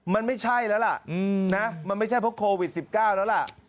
มันไม่ใช่แล้วล่ะนะมันไม่ใช่เพราะโควิด๑๙แล้วล่ะ